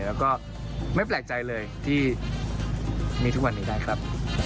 แล้วก็ไม่แปลกใจเลยที่มีทุกวันนี้ได้ครับ